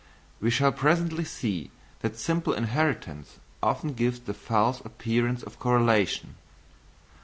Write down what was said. We shall presently see that simple inheritance often gives the false appearance of correlation.